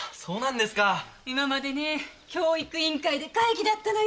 今までね教育委員会で会議だったのよ。